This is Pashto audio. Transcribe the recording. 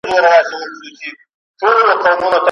زه ولاړ وم